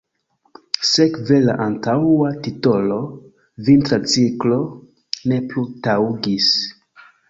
Sekve la antaŭa titolo „Vintra Ciklo" ne plu taŭgis.